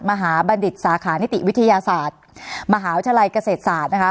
บัณฑิตสาขานิติวิทยาศาสตร์มหาวิทยาลัยเกษตรศาสตร์นะคะ